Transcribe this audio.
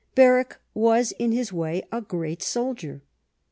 Berwick was in his way a great soldier.